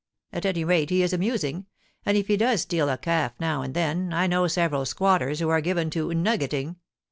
At any rate he is amusing ; and if he does steal a calf now and then, I know several squatters who are given to "nuggeting."